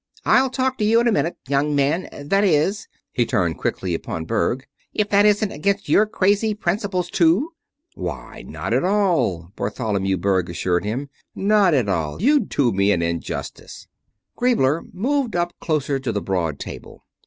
I'll talk to you in a minute, young man that is " he turned quickly upon Berg "if that isn't against your crazy principles, too?" "Why, not at all," Bartholomew Berg assured him. "Not at all. You do me an injustice." Griebler moved up closer to the broad table.